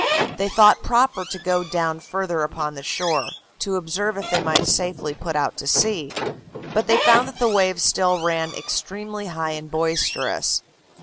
They thought proper to go down further upon the shore, to observe if they might safely put out to sea; but they found that the waves still ran extremely high and boisterous.